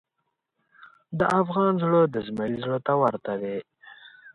د افغان زړه د زمري زړه ته ورته دی.